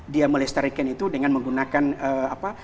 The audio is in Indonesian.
dia melestarikan itu dengan menggunakan apa